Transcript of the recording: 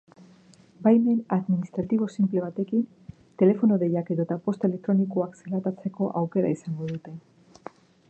Baimen administratibo sinple batekin, telefono-deiak edota posta elektronikoak zelatatzeko aukera izango dute.